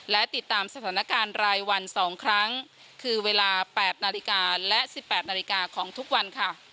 และติดตามสถานการณ์รายวัน๒ครั้งคือเวลา๘นาฬิกาและ๑๘นาฬิกาของทุกวันค่ะ